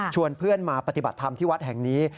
เพื่อนมาปฏิบัติธรรมที่วัดแห่งนี้